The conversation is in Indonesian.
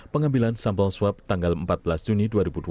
pengambilan sampel swab tanggal empat belas juni dua ribu dua puluh